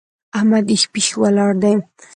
احمد هېښ پېښ ولاړ دی!